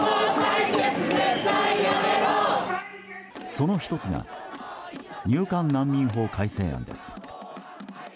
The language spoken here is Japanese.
その１つが入管難民法改正案です。